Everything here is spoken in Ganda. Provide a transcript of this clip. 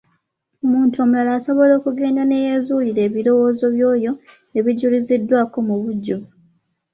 Omuntu omulala asobola okugenda ne yeezuulira ebirowoozo by'oyo ebijuliziddwako mu bujjuvu.